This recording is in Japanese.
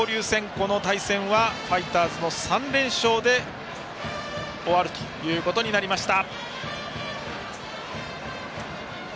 この対戦はファイターズの３連勝で終わることになりました。